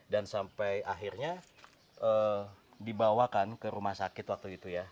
dan sampai akhirnya dibawakan ke rumah sakit waktu itu ya